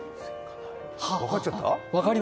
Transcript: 分かっちゃった？